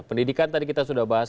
pendidikan tadi kita sudah bahas